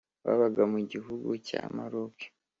babaga mu gihugu cya maroke